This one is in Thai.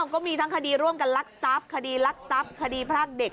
ก็มีทั้งคดีร่วมกันลักษับคดีลักษับคดีพรากเด็ก